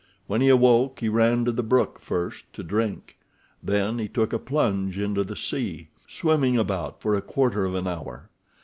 When he awoke he ran to the brook first to drink. Then he took a plunge into the sea, swimming about for a quarter of an hour.